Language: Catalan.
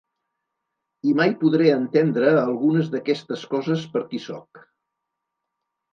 I mai podré entendre algunes d'aquestes coses per qui sóc.